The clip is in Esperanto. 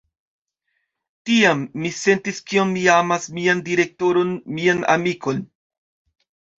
Tiam, mi sentis kiom mi amas mian direktoron, mian amikon.